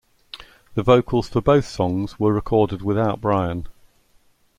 The vocals for both songs were recorded without Brian.